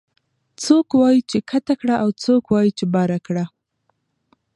څوک وايي کته کړه او څوک وايي چې بره کړه